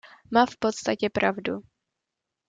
Má v podstatě pravdu.